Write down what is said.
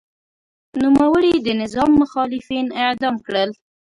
نوموړي د نظام مخالفین اعدام کړل.